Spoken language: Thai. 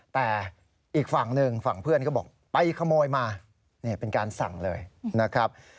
แต่อีกฝั่งหนึ่งฝั่งเพื่อนก็บอกไปขโมยมานี่เป็นการสั่งเลยนะครับ